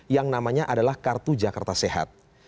yang namanya adalah kartu jakarta sehat